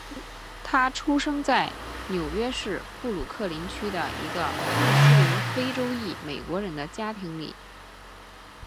他出生在纽约市布鲁克林区的一个穆斯林非洲裔美国人的家庭里。